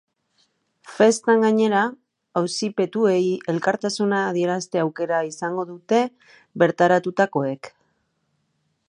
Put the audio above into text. Festan, gainera, auzipetuei elkartasuna adierazte aukera izango dute bertaratutakoek.